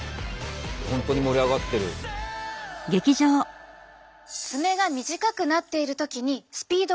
本当に盛り上がってる。